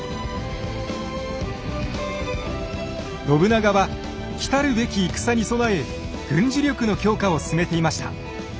信長は来るべき戦に備え軍事力の強化を進めていました。